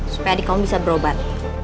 supaya adik kamu bisa berobat